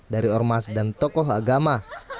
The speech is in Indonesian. dari ormas dan tokoh agama